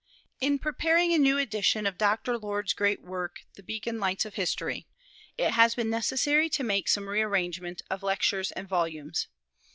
In preparing a new edition of Dr. Lord's great work, the "Beacon Lights of History," it has been necessary to make some rearrangement of lectures and volumes.